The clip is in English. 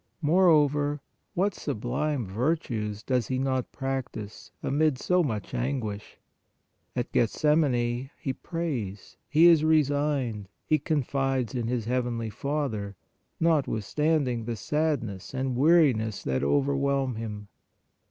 Moreover, what sublime virtues does He not prac tise amid so much anguish! At Gethsemane He prays, He is resigned, He confides in His heavenly Father, notwithstanding the sadness and weariness that overwhelm Him.